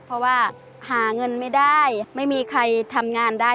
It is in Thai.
เพราะว่าหาเงินไม่ได้ไม่มีใครทำงานได้